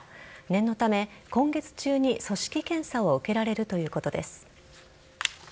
念のため今月中に組織検査を受けられるということです。